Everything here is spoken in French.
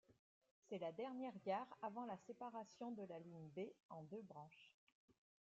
C'est la dernière gare avant la séparation de la ligne B en deux branches.